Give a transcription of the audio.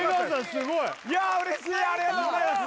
すごいいや嬉しいありがとうございます